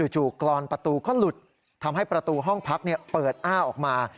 จู่กรอนประตูก็หลุดทำให้ประตูห้องพักเปิดอ้าออกมา